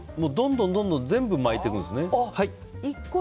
どんどん全部巻いていくんですね。